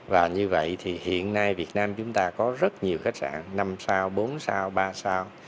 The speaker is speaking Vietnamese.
và như vậy thì hiện nay việt nam chúng ta có rất nhiều khách sạn năm sao bốn sao ba sao